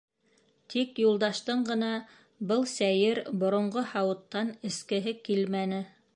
Тик Юлдаштың ғына был сәйер, боронғо һауыттан эскеһе килмәне.